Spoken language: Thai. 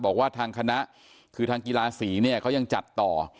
บอกว่าทางคณะคือทางกีฬาศรีเนี่ยเขายังจัดต่อ